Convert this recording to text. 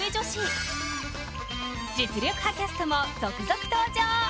実力派キャストも続々登場！